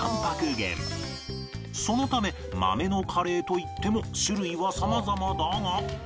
そのため豆のカレーといっても種類は様々だが